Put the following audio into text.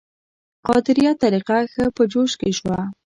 قادریه طریقه ښه په جوش کې شوه.